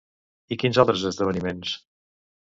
I quins altres esdeveniments?